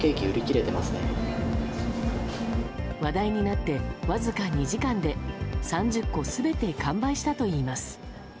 話題になって、わずか２時間で３０個全て完売したといいます。